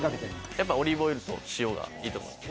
やっぱオリーブオイルと塩がいいと思います